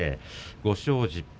５勝１０敗。